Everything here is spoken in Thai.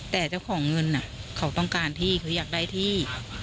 แต่เจ้าของเงินเขาต้องการที่เขาอยากได้ที่